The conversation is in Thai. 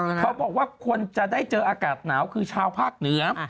เขาบอกว่าคนจะได้เจออากาศหนาวคือชาวภาคเหนือ